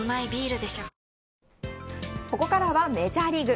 ここからはメジャーリーグ。